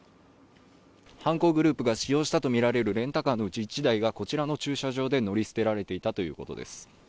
犯行グループが使用したとみられるレンタカーのうち１台が、こちらの駐車場で乗り捨てられていたということです。